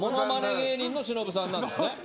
芸人のシノブさんなんですね。